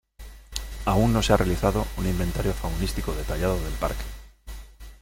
Aún no se ha realizado un inventario faunístico detallado del parque.